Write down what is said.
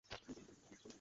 Sheriff, মনে হয় সে খালাশ।